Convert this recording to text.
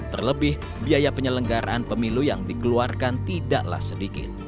terlebih biaya penyelenggaraan pemilu yang dikeluarkan tidaklah sedikit